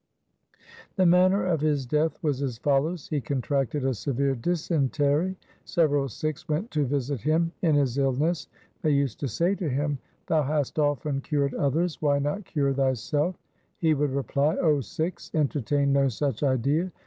The manner of his death was as follows :— He con tracted a severe dysentery. Several Sikhs went to visit him in his illness. They used to say to him, ' Thou hast often cured others ; why not cure thy self ?' He would reply, ' O Sikhs, entertain no such idea.